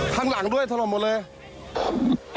ข้างหลังด้วยถล่มหมดเลย